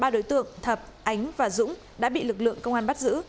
ba đối tượng thạch ánh và dũng đã bị lực lượng công an bắt giữ